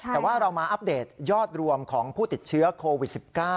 แต่ว่าเรามาอัปเดตยอดรวมของผู้ติดเชื้อโควิด๑๙